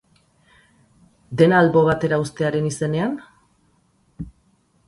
Dena albo batera uztearen izenean?